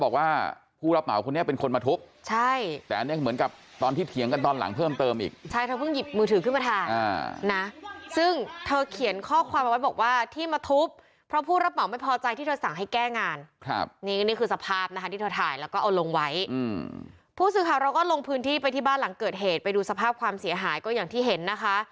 โอ้โหอะไรจะขนาดนั้นนะคะนี่คือคลิปที่ผู้รับเหมาหัวร้อนไรดีควงค้อนปอนด์มาเลยทุบบ้านสาวคนนึงค่ะ